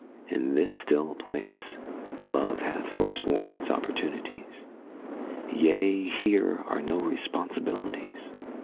In this still place Love hath forsworn its opportunities. Yea, here are no responsibilities.